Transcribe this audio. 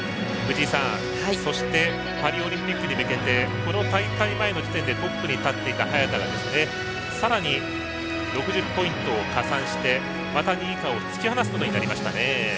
そしてパリオリンピックに向けてこの大会前の時点でトップに立っていた早田がさらに６０ポイントを加算してまた、２位以下を突き放すことになりましたね。